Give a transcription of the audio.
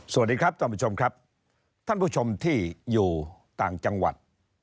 สวัสดีครับท่านผู้ชมครับท่านผู้ชมที่อยู่ต่างจังหวัด